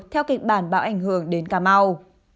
theo kịch bản bão ảnh hưởng đến cà mau